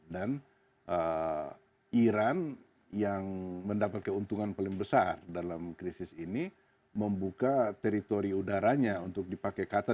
dan iran yang mendapat keuntungan paling besar dalam krisis ini membuka teritori udaranya untuk dipakai qatar